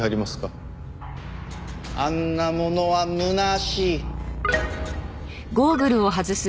あんなものは空しい。